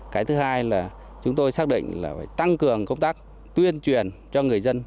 cái thứ hai là chúng tôi xác định là phải tăng cường công tác tuyên truyền cho người dân